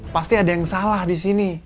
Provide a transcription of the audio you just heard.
pasti ada yang salah disini